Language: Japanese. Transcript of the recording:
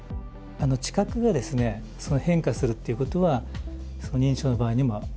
知覚がですね変化するっていうことは認知症の場合にもありえます。